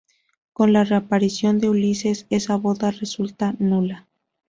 Con la reaparición de Ulises, esa boda resulta nula.